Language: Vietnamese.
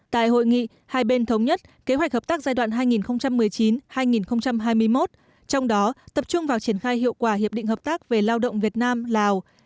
tại hội nghị hai bên thống nhất kế hoạch hợp tác giai đoạn hai nghìn một mươi chín hai nghìn hai mươi một trong đó tập trung vào triển khai hiệu quả hiệp định hợp tác về lao động việt nam lào